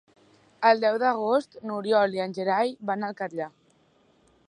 El deu d'agost n'Oriol i en Gerai van al Catllar.